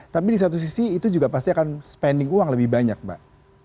tapi di satu sisi itu juga pasti akan spending uang lebih banyak mbak